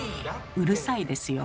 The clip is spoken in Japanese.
うるさいですよ。